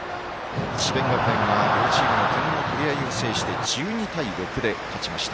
智弁学園が両チーム、点の取り合いを制して１２対６で勝ちました。